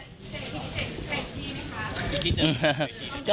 เจ๊พี่เจ๊คุณแค่ที่ไหมคะ